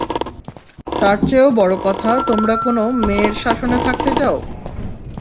তারচেয়েও বড় কথা তোমরা কোনো মেয়ের শাসনে থাকতে চাও?